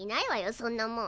そんなもん。